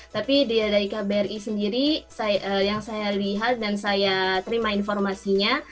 tapi dari kbri sendiri yang saya lihat dan saya terima informasinya